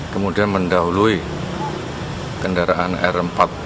kemudian mendahului kendaraan r empat